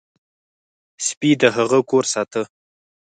سپي د هغه کور ساته.